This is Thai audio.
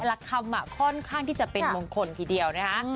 ละคำค่อนข้างที่จะเป็นมงคลทีเดียวนะคะ